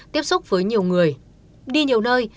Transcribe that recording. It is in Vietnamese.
tiếp xúc với nhiều người đi nhiều nơi